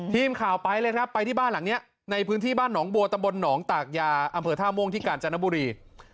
ทีมข่าวไปเลยครับไปที่บ้านหลังนี้ในพื้นที่บ้านหนองบัวตำบลหนองตากยาอำเภอท่าม่วงที่กาญจนบุรี